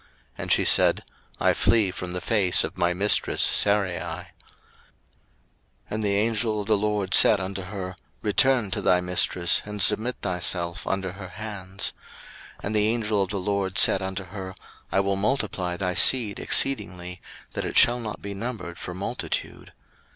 And she said, I flee from the face of my mistress Sarai. 01:016:009 And the angel of the LORD said unto her, Return to thy mistress, and submit thyself under her hands. 01:016:010 And the angel of the LORD said unto her, I will multiply thy seed exceedingly, that it shall not be numbered for multitude.